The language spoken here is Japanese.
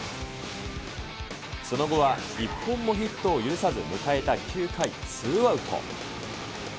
その後は一本もヒットを許さず、迎えた９回ツーアウト。